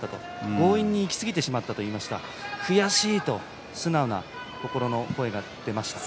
強引にいきすぎてしまったと言っていました、悔しいと素直な心の声が出ました。